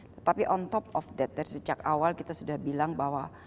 tetapi on top of that dari sejak awal kita sudah bilang bahwa